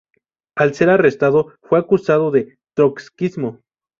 Al ser arrestado fue acusado de Trotskismo.